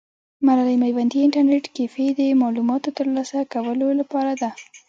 ملالۍ میوندي انټرنیټ کیفې د معلوماتو ترلاسه کولو لپاره ده.